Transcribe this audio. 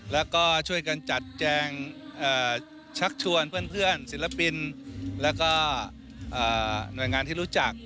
แล้วก็ช่วยกันจัดแจงชักชวนเพื่อนศิลปินแล้วก็หน่วยงานที่รู้จัก